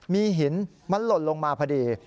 มีหินมันหล่นลงมาพอดี